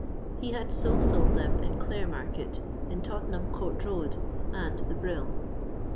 He had so sold them in Clare market, in Tottenham court road, and the Brill.